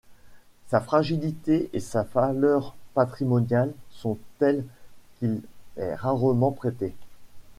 Sa fragilité et sa valeur patrimoniale sont telles qu'il est rarement prêté.